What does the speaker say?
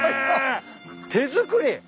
手作り！